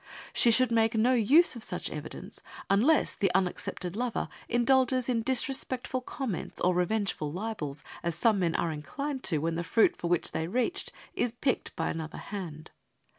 She should make no use of such evidence, unless the unaccepted lover indulges in disrespectful comments or revengeful libels, as some men are inclined to when the fruit for which they reached is picked by another hand.